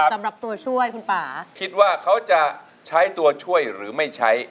สำหรับตัวช่วยคุณป่าคิดว่าเขาจะใช้ตัวช่วยหรือไม่ใช้